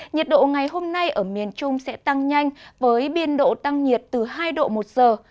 nhiệt độ ngày hôm nay ở miền trung sẽ tăng nhanh với biên độ tăng nhiệt từ hai độ một giờ